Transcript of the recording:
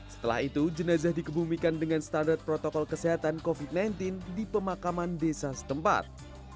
setelah itu jenazah dikebumikan dengan standar protokol kesehatan covid sembilan belas di pemakaman desa setempat